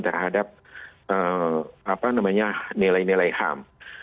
terhadap nilai nilai ham